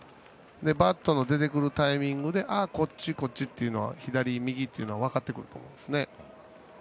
バットの出てくるタイミングでこっち、こっちっていうのは左、右というのは分かってくると思うんですね。